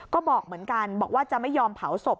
ก็บอกเหมือนกันบอกว่าจะไม่ยอมเผาศพ